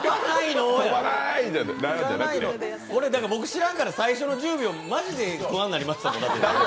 僕知らんから、最初の１０秒マジで心配になりましたから。